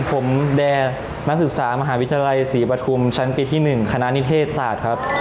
ผมแดนักศึกษามหาวิทยาลัยศรีปฐุมชั้นปีที่๑คณะนิเทศศาสตร์ครับ